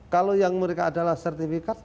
kalau yang mereka adalah sertifikat